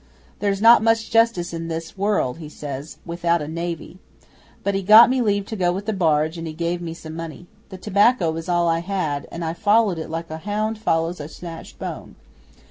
'"There's not much justice in this world," he says, "without a Navy." But he got me leave to go with the barge and he gave me some money. That tobacco was all I had, and I followed it like a hound follows a snatched bone.